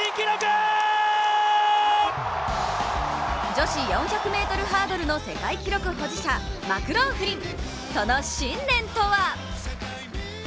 女子４００ｍハードルの世界記録保持者マクローフリン。